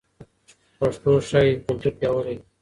پښتو ښايي کلتور پیاوړی کړي.